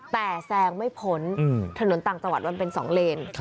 แต่แซงไม่พ้นถนนต่างจังหวัดมันเป็น๒เลน